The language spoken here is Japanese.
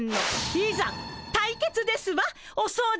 いざ対決ですわお掃除やさん！